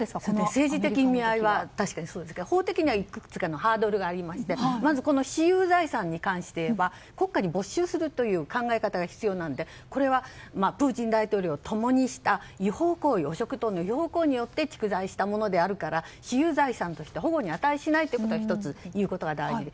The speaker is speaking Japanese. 政治的な狙いは確かにそうですが法的にはいくつかのハードルがありましてまず私有財産に関していえば国家に没収されるという考え方が必要でこれはプーチン大統領と共にした違法行為によって蓄財したものであるから私有財産として保護に値しないということが大事。